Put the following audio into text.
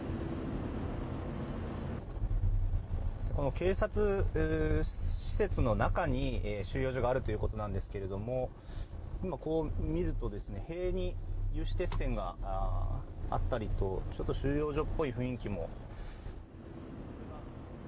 警察施設の中に収容所があるということなんですけど今こう見ると塀に有刺鉄線があったりと収容所っぽい雰囲気も。